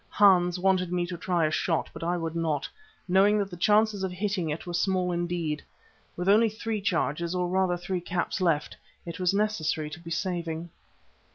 Hans wanted me to try a shot, but I would not, knowing that the chances of hitting it were small indeed. With only three charges, or rather three caps left, it was necessary to be saving.